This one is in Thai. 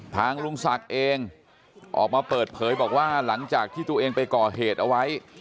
ลุงศักดิ์เองออกมาเปิดเผยบอกว่าหลังจากที่ตัวเองไปก่อเหตุเอาไว้